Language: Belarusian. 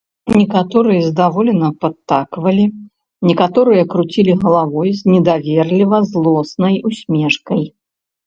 Некаторыя здаволена падтаквалі, некаторыя круцілі галавой з недаверліва злоснай усмешкай.